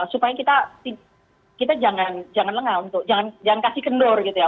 supaya kita jangan lenga jangan kasih kendur gitu ya